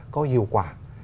có hiệu quả